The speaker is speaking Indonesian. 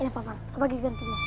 ini pak sebagai gantinya